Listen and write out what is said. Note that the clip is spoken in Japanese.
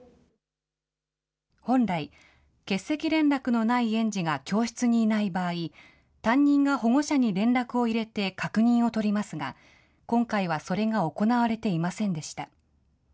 本来、欠席連絡のない園児が教室にいない場合、担任が保護者に連絡を入れて確認を取りますが、今回はそれが行われていませんでした。